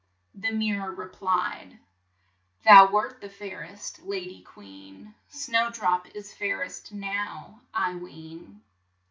The mir ror re plied : "Thou wert the fair est la dy queen; Snow drop is fair est now, I ween."